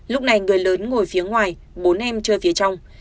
lúc này người lớn ngồi phía ngoài bốn em chơi phía trong